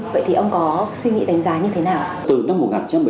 vậy thì ông có suy nghĩ đánh giá như thế nào